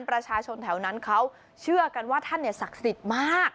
ประชาชนแถวนั้นเขาเชื่อกันว่าท่านศักดิ์สิทธิ์มาก